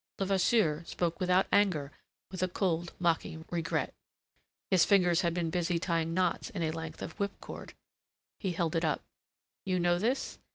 Levasseur spoke without anger, with a coldly mocking regret. His fingers had been busy tying knots in a length of whipcord. He held it up. "You know this?